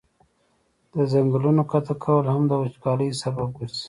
د ځنګلونو قطع کول هم د وچکالی سبب ګرځي.